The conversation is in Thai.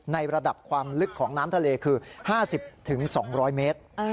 ในระดับความลึกของน้ำทะเลคือ๕๐๒๐๐เมตร